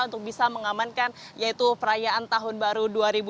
untuk bisa mengamankan yaitu perayaan tahun baru dua ribu dua puluh